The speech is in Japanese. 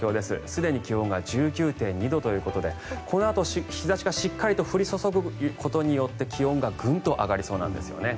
すでに気温が１９．２度ということでこのあと日差しがしっかりと降り注ぐことによって気温がグンと上がりそうなんですよね。